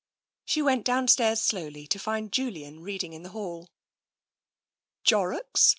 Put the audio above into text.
She went downstairs slowly, to find Julian reading in the hall. "Jorrocks?"